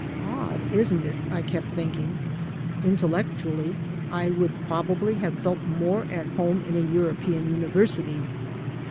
"Odd, isn't it?" I kept thinking. Intellectually I would probably have felt more at home, in a European university.